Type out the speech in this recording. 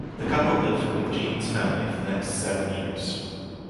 The couple lived with Jeanne's family for the next seven years.